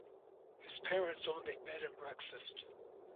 His parents owned a bed-and-breakfast.